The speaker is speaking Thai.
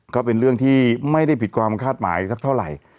ก็เป็นเรื่องที่ไม่ได้ผิดความคาดหมายสักเท่าไหร่